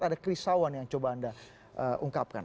ada kerisauan yang coba anda ungkapkan